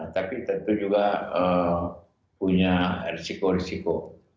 tapi tentu juga punya risiko risiko